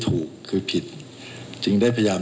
แต่เจ้าตัวก็ไม่ได้รับในส่วนนั้นหรอกนะครับ